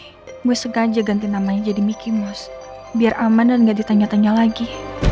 lagi gue sengaja ganti namanya jadi miki mouse biar aman dan gak ditanya tanya lagi